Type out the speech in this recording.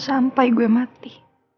sampai gue mati